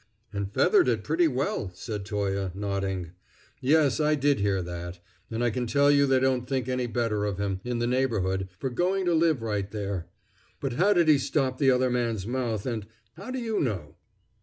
"And feathered it pretty well!" said Toye, nodding. "Yes, I did hear that. And I can tell you they don't think any better of him, in the neighborhood, for going to live right there. But how did he stop the other man's mouth, and how do you know?"